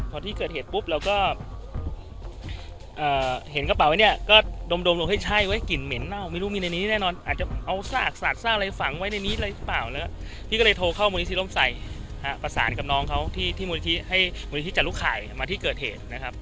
พอที่เกิดเหตุปุ๊บเราก็เห็นกระเป๋าเนี่ยก็ดมลงเฮ้ยใช่ไว้กลิ่นเหม็นเน่าไม่รู้มีในนี้แน่นอนอาจจะเอาซากสากซากอะไรฝังไว้ในนี้อะไรหรือเปล่าแล้วพี่ก็เลยโทรเข้ามูลนิธิร่มใส่ประสานกับน้องเขาที่มูลนิธิให้มูลนิธิจารุข่ายมาที่เกิดเหตุนะครับ